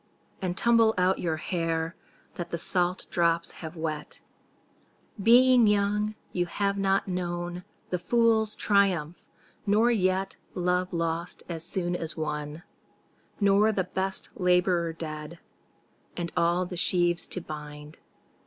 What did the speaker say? And tumble out your hair That the salt drops have wet; Being young you have not known The fool's triumph, nor yet Love lost as soon as won, Nor the best labourer dead And all the sheaves to bind.